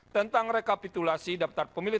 tentang rekapitulasi daftar pemilih